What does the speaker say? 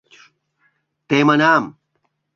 Темынам...